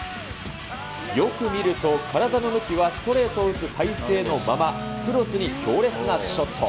よく見ると、体の向きはストレートを打つ体勢のまま、クロスに強烈なショット。